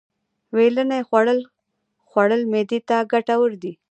ویلنی خوړل خوړل معدې ته گټور دي.